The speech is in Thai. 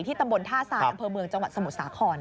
ที่ตำบลท่าซานอังเภอเมืองจังหวัดสมุทรสาขร